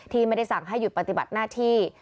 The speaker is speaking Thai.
ไม่ได้สั่งให้หยุดปฏิบัติหน้าที่